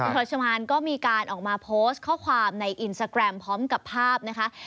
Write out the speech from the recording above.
พอชมานก็มีการออกมาโพสต์ข้อความในอินสตาแกรมพร้อมกับภาพนะคะ